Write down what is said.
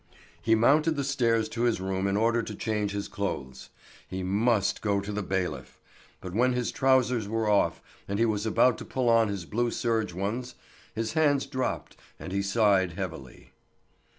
He mounted the stairs to his room in order to change his clothes. He must go to the bailiff. But when his trousers were off, and he was about to pull on his blue serge ones, his hands dropped and he sighed heavily.